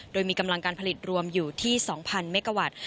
โดยมีกำลังการผลิตรวมอยู่ที่๒๐๐เมกาวัตต์